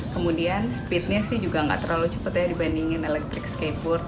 kemudian speed nya juga tidak terlalu cepat dibandingin electric skateboard